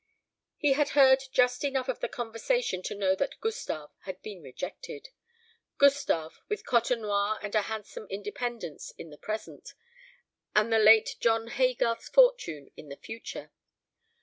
He had heard just enough of the conversation to know that Gustave had been rejected Gustave, with Côtenoir and a handsome independence in the present, and the late John Haygarth's fortune in the future.